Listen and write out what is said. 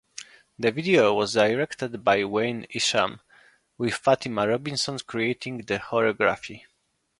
The video was directed by Wayne Isham, with Fatima Robinson creating the choreography.